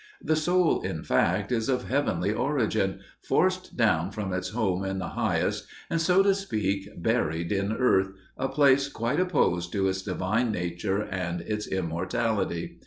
The soul, in fact, is of heavenly origin, forced down from its home in the highest, and, so to speak, buried in earth, a place quite opposed to its divine nature and its immortality.